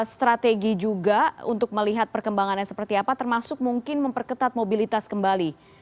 strategi juga untuk melihat perkembangannya seperti apa termasuk mungkin memperketat mobilitas kembali